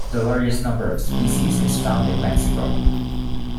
The largest number of species is found in Mexico.